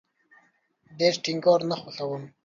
ډیر ټینګار نه خوښوم